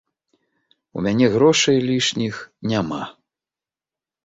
У мяне грошай лішніх няма.